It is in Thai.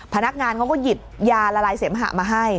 พนักงานเขาก็หยิบยาละลายเสมหะมาให้